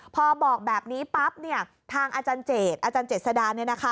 พอบอกแบบนี้ปั๊บทางอาจารย์เจดอาจารย์เจษดา